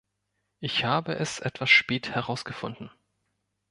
Ich habe es etwas spät herausgefunden.